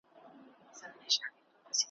پر بچو باندي په ساندو په ژړا سوه ,